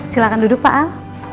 silahkan duduk pak al